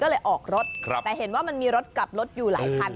ก็เลยออกรถแต่เห็นว่ามันมีรถกลับรถอยู่หลายคัน